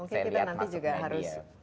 seriat masuknya mungkin kita nanti juga harus